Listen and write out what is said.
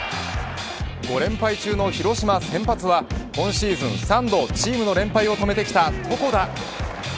５連敗中の広島先発は今シーズン３度、チームの連敗を止めてきた床田。